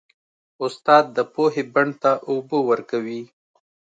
استاد د پوهې بڼ ته اوبه ورکوي.